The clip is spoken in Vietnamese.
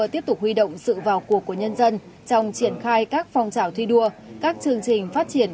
tiếp tục huy động sự vào cuộc của nhân dân trong triển khai các phong trào thi đua các chương trình phát triển